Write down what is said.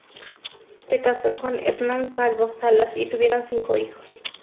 Se casó con Hernán Calvo Salas y tuvieron cinco hijos.